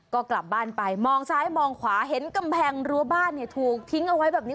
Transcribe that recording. ก็กลับบ้านไปมองซ้ายมองขวาเห็นกำแพงรั้วบ้านเนี่ยถูกทิ้งเอาไว้แบบนี้